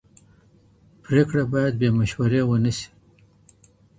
پریکړه باید بې مشورې ونه سي.